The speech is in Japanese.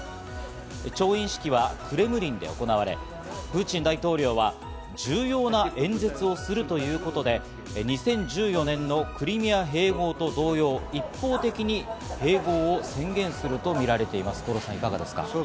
調印式はクレムリンで行われ、プーチン大統領は重要な演説をするということで、２０１４年のクリミア併合と同様、一方的に併合宣言するとみられています、五郎さん。